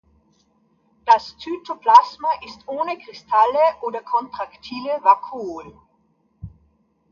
Das Zytoplasma ist ohne Kristalle oder kontraktile Vakuolen.